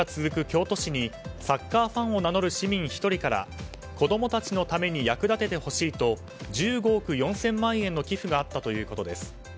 京都市にサッカーファンを名乗る市民１人から子供たちのために役立ててほしいと１５億４０００万円の寄付があったということです。